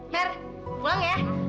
mer pulang ya